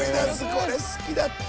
これ好きだった！